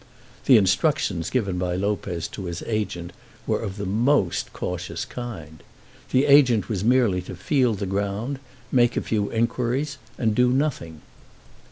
The instructions given by Lopez to his agent were of the most cautious kind. The agent was merely to feel the ground, make a few inquiries, and do nothing.